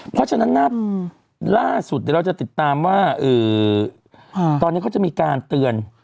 เพราะฉะนั้นล่าสุดเดี๋ยวเราจะติดตามว่าตอนนี้เขาจะมีการเตือน